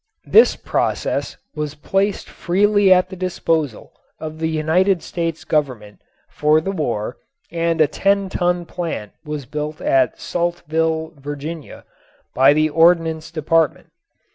This process was placed freely at the disposal of the United States Government for the war and a 10 ton plant was built at Saltville, Va., by the Ordnance Department.